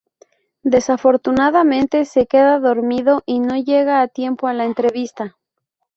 Desafortunadamente se queda dormido y no llega a tiempo a la entrevista.